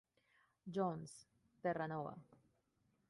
John's, Terranova.